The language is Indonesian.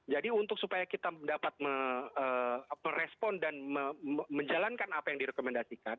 jadi supaya kita dapat merespon dan menjalankan apa yang direkomendasikan